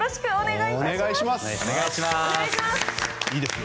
いいですね。